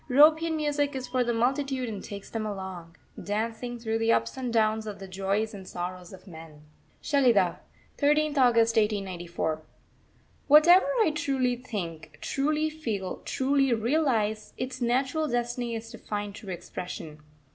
European Music is for the multitude and takes them along, dancing, through the ups and downs of the joys and sorrows of men. SHELIDAH, 13th August 1894. Whatever I truly think, truly feel, truly realise, its natural destiny is to find true expression.